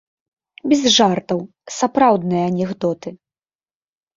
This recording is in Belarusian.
Без жартаў, сапраўдныя анекдоты.